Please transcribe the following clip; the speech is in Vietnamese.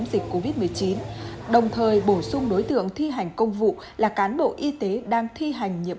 dịch covid một mươi chín đồng thời bổ sung đối tượng thi hành công vụ là cán bộ y tế đang thi hành nhiệm